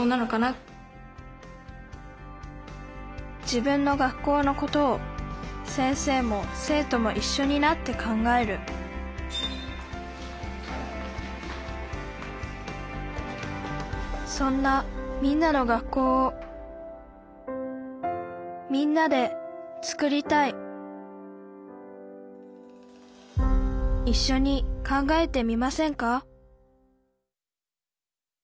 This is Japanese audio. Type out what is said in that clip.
自分の学校のことを先生も生徒もいっしょになって考えるそんなみんなの学校をみんなで作りたいいっしょに考えてみませんか？